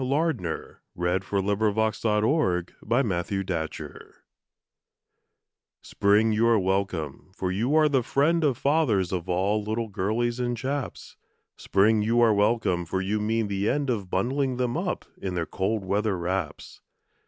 WELCOME TO SPRING Spring, you are welcome, for you are the friend of Fathers of all little girlies and chaps. Spring, you are welcome, for you mean the end of Bundling them up in their cold weather wraps.